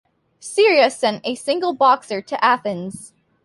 Syria sent a single boxer to Athens.